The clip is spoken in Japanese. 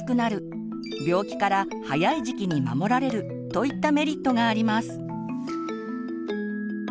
といったメリットがあります。